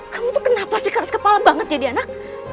kamu tuh kenapa sih harus kepala banget jadi anak